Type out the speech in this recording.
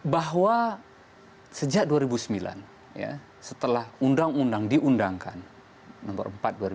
bahwa sejak dua ribu sembilan setelah undang undang diundangkan nomor empat dua ribu sembilan